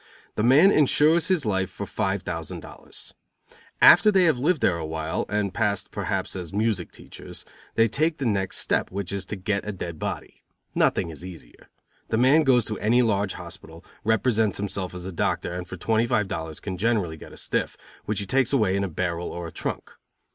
The man insures his life for five thousand dollars. After they have lived there a while, and passed perhaps as music teachers, they take the next step, which is to get a dead body. Nothing is easier. The man goes to any large hospital, represents himself as a doctor and for twenty five dollars can generally get a stiff, which he takes away in a barrel or trunk.